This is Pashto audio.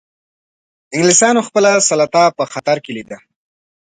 انګلیسانو خپله سلطه په خطر کې لیده.